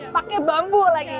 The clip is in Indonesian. pakai bambu lagi